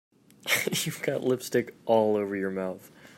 You've got lipstick all over your mouth.